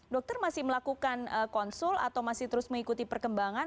dokter masih melakukan konsul atau masih terus mengikuti perkembangan